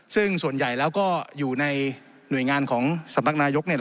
ซึ่งส่วนใหญ่แล้วก็อยู่ในหน่วยงานของสำนักนายก